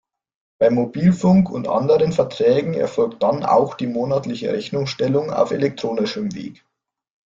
Bei Mobilfunk- und anderen Verträgen erfolgt dann auch die monatliche Rechnungsstellung auf elektronischem Weg.